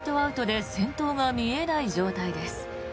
ホワイトアウトで先頭が見えない状態です。